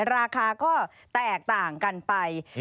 ราคาก็แตกต่างกันไป